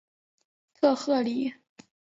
特赫里。